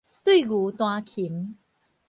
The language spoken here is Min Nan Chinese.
對牛彈琴